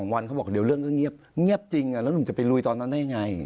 วันเขาบอกเดี๋ยวเรื่องก็เงียบจริงแล้วหนุ่มจะไปลุยตอนนั้นได้ยังไง